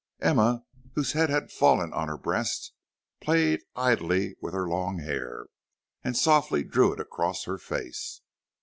Emma, whose head had fallen on her breast, played idly with her long hair, and softly drew it across her face.